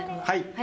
はい。